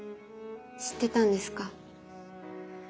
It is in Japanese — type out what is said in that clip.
知ってたんですか？